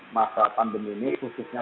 masa pandemi ini khususnya